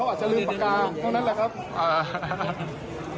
ค่อนข้างตรงนั้นแหละครับ